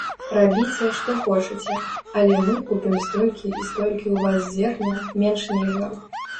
Рабіце, што хочаце, але мы купім столькі і столькі ў вас зерня, менш нельга.